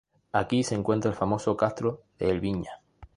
Aquí se encuentra el famoso Castro de Elviña.